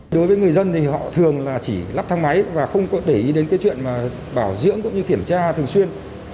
đối với người dân thì họ thường là chỉ lắp thang máy và không có để ý đến cái chuyện mà bảo dưỡng cũng như kiểm tra thường xuyên